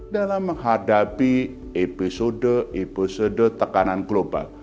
dalam menghadapi episode episode tekanan global